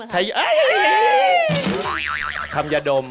ทำยาดมทำยาดม